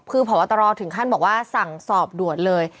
คือผอบตรถึงขั้นบอกว่าสั่งสอบด่วนเลย